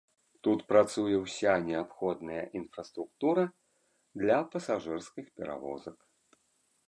Тут працуе ўся неабходная інфраструктура для пасажырскіх перавозак.